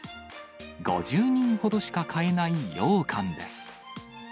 ５０人ほどしか買えないようかんです。